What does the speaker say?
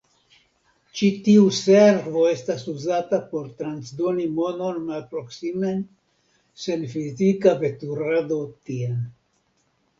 Ĉi tiu servo estas uzata por transdoni monon malproksimen sen fizika veturado tien.